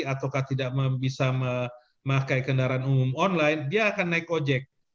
atau tidak bisa memakai kendaraan umum online dia akan naik ojek